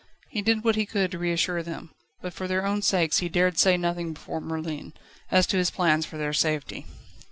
He did what he could to reassure them, but, for their own sakes, he dared say nothing before Merlin, as to his plans for their safety.